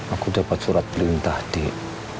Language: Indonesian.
aku dapat surat perintah dek